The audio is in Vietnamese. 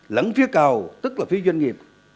lắng phía cao tức là phía doanh nghiệp